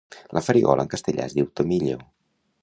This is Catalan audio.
La farigola en castellà es diu tomillo.